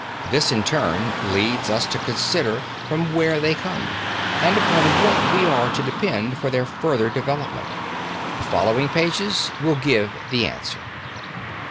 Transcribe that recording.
This in turn leads us to consider from where they come and upon what we are to depend for their further development. The following pages will give the answer.